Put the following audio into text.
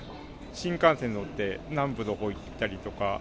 新幹線乗って南部のほう行ったりとか。